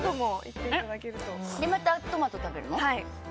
またトマトを食べるの？